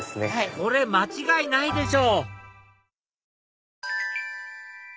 これ間違いないでしょ！